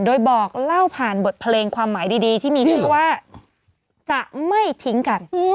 โดยบอกเล่าผ่านบทเพลงความหมายดีที่มีชื่อว่าจะไม่ทิ้งกัน